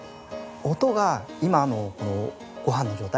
音が今のごはんの状態